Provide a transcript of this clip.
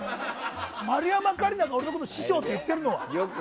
丸山桂里奈が俺のこと師匠って言ってるのは。